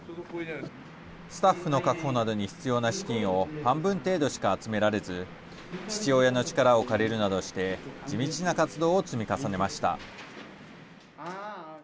スタッフの確保などに必要な資金を半分程度しか集められず父親の力を借りるなどして地道な活動を積み重ねました。